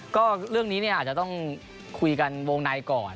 ก็เรื่องนี้เนี่ยอาจจะต้องคุยกันวงในก่อน